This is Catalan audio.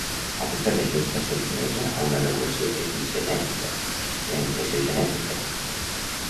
Aquesta regió està sotmesa a una regulació epigenètica, la impressió genètica.